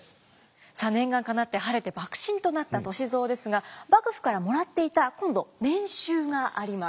さあ念願かなって晴れて幕臣となった歳三ですが幕府からもらっていた今度年収があります。